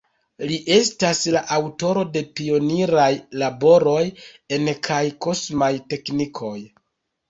Li estas la aŭtoro de pioniraj laboroj en kaj kosmaj teknikoj.